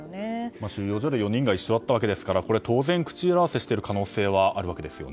収容所で４人が一緒だったわけですから当然、口裏合わせをしている可能性はあるわけですよね。